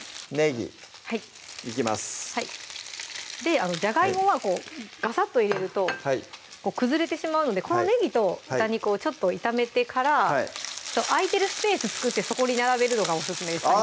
ぎいきますじゃがいもはこうガサッと入れると崩れてしまうのでこのねぎと豚肉をちょっと炒めてから空いてるスペース作ってそこに並べるのがオススメですあっ